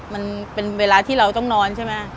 มันเป็นเวลาที่เราต้องนอนใช่ไหม